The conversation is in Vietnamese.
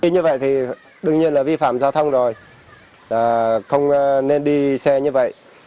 như vậy thì đương nhiên là vi phạm giao thông rồi không nên đi xe như vậy